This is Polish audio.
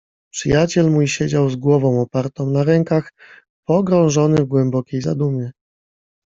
"Przyjaciel mój siedział z głową opartą na rękach, pogrążony w głębokiej zadumie."